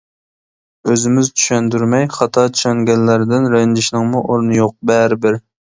ئۆزىمىز چۈشەندۈرمەي، خاتا چۈشەنگەنلەردىن رەنجىشنىڭمۇ ئورنى يوق، بەرىبىر.